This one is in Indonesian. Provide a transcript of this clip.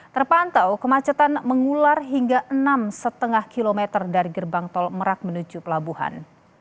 terpantau kemacetan mengular hingga enam lima km dari gerbang tol merak menuju pelabuhan